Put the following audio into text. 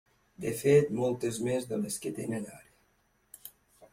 De fet, moltes més de les que tenen ara.